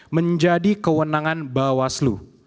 menjadi kewenangan bawah selu